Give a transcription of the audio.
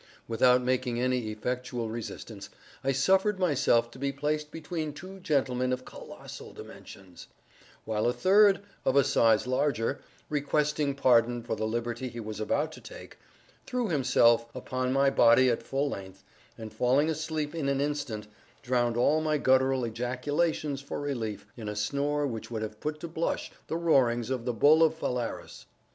Without making any effectual resistance, I suffered myself to be placed between two gentlemen of colossal dimensions; while a third, of a size larger, requesting pardon for the liberty he was about to take, threw himself upon my body at full length, and falling asleep in an instant, drowned all my guttural ejaculations for relief, in a snore which would have put to blush the roarings of the bull of Phalaris.